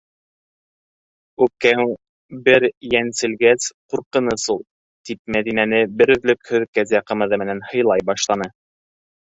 Үпкәң бер йәнселгәс, ҡурҡыныс ул! - тип, Мәҙинәне бер өҙлөкһөҙ кәзә ҡымыҙы менән һыйлай башланы.